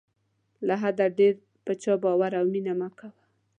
له حده ډېر په چا باور او مینه مه کوه.